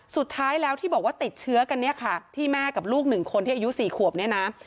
สุดท้ายแล้วที่บอกว่าติดเชื้อกันเนี่ยค่ะที่แม่กับลูกหนึ่งคนที่อายุ๔ขวบเนี่ยนะ